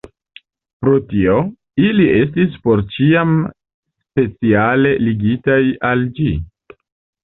Pro tio, ili estis por ĉiam speciale ligitaj al ĝi.